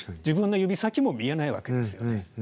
自分の指先も見えないわけですよね。